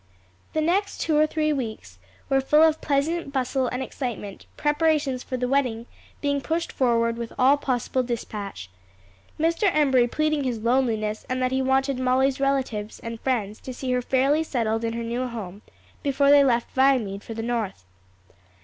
The next two or three weeks were full of pleasant bustle and excitement, preparations for the wedding being pushed forward with all possible dispatch, Mr. Embury pleading his loneliness and that he wanted Molly's relatives and friends to see her fairly settled in her new home before they left Viamede for the North.